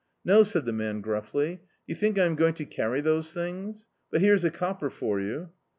"No," said the man, gruffly, "do you think I am going to carry those things? but here's a copper for you."